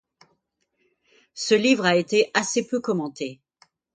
Ce livre a été assez peu commenté.